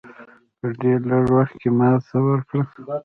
په ډېر لږ وخت کې ماته ورکړه.